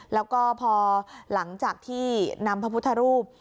แล้วก็พอหลังจากที่นำพระพุทธรูป